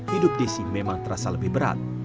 hidup desi memang terasa lebih berat